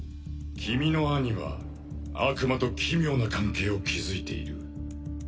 君の兄は悪魔と奇妙な関係を築いている。